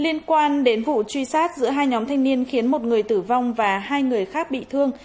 liên quan đến vụ truy sát giữa hai nhóm thanh niên khiến một người tử vong và hai người khác bị thương